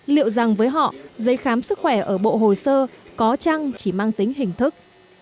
liệu rằng với họ giấy khám sức khỏe ở bộ hồ sơ có chăng chỉ mang tính hình thức